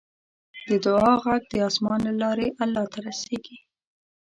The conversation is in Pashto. د دعا غږ د اسمان له لارې الله ته رسیږي.